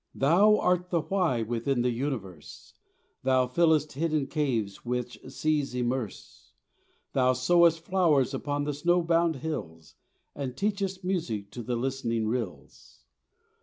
Thou art the Why within the universe, Thou fillest hidden caves which seas immerse, Thou sowest flowers upon the snow bound hills, And teachest music to the listening rills.